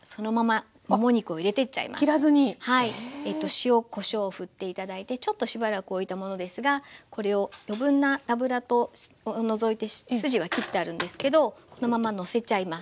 塩こしょうをふって頂いてちょっとしばらくおいたものですがこれを余分な脂を除いて筋は切ってあるんですけどこのままのせちゃいます。